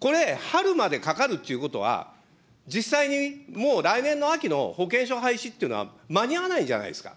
これ、春までかかるということは、実際に、もう来年の秋の保険証廃止っていうのは間に合わないじゃないですか。